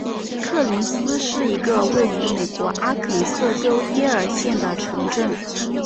科林斯是一个位于美国阿肯色州耶尔县的城镇。